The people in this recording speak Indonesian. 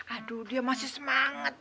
aduh dia masih semangat